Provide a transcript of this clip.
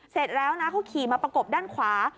เสร็จแล้วนะเขาขี่มาประกบด้านขวา